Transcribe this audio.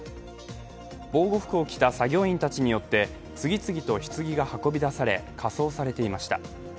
防護服を着た作業員たちによって次々とひつぎが運び出され火葬されていました。